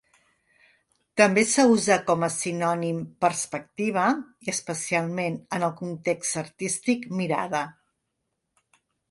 També s'usa, com a sinònim, perspectiva i, especialment en el context artístic, mirada.